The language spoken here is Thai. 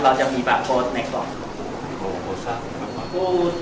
สวัสดีครับ